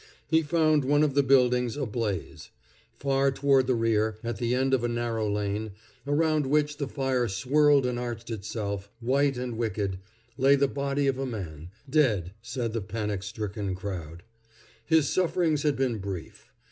He found one of the buildings ablaze. Far toward the rear, at the end of a narrow lane, around which the fire swirled and arched itself, white and wicked, lay the body of a man dead, said the panic stricken crowd. His sufferings had been brief.